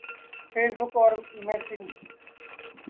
face بک اور messenger